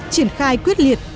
triển khai quyết liệt